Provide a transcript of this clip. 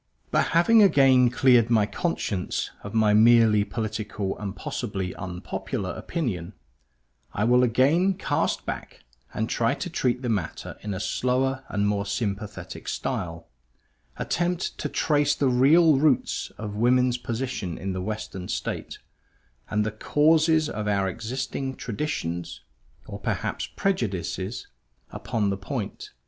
But having again cleared my conscience of my merely political and possibly unpopular opinion, I will again cast back and try to treat the matter in a slower and more sympathetic style; attempt to trace the real roots of woman's position in the western state, and the causes of our existing traditions or perhaps prejudices upon the point.